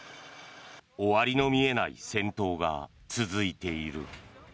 終わりの見えない戦闘が続いている。